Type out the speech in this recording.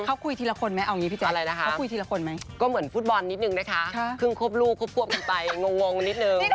เค้าคุยทันละคนไหมเอาอย่างงี้จัดฟุตบอลนิดหนึ่งนะคะคือครอบลูกครอบครัวนึงไปงงนิดหนึ่ง